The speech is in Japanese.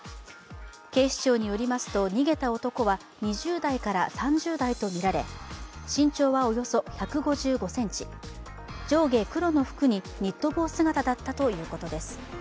警視庁によりますと、逃げた男は２０代から３０代とみられ身長はおよそ１５５ｃｍ上下黒の服にニット帽姿だったということです。